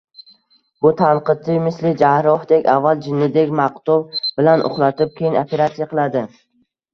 Bu tanqidchi misli jarrohdek: avval jindek maqtov bilan uxlatib, keyin operatsiya qiladi.